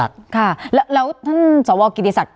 การแสดงความคิดเห็น